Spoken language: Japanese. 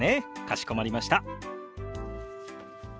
かしこまりました。